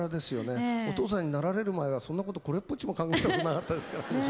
お父さんになられる前はそんなことこれっぽっちも考えたことなかったですから。